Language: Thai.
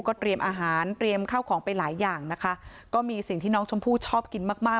ก็เตรียมอาหารเตรียมข้าวของไปหลายอย่างนะคะก็มีสิ่งที่น้องชมพู่ชอบกินมากมาก